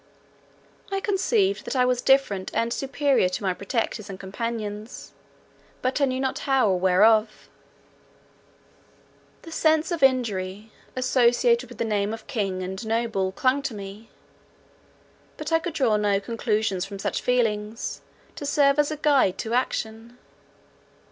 I conceived that I was different and superior to my protectors and companions, but I knew not how or wherefore. The sense of injury, associated with the name of king and noble, clung to me; but I could draw no conclusions from such feelings, to serve as a guide to action.